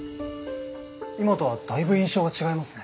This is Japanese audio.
今とはだいぶ印象が違いますね。